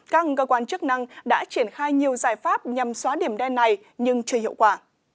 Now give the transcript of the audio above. các cơ quan chức năng đã triển khai nhiều giải pháp nhằm xóa điểm đen này nhưng chưa hiệu quả